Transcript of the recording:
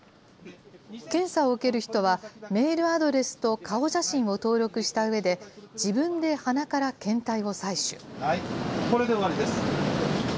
検査を受ける人は、メールアドレスと顔写真を登録したうえで、これで終わりです。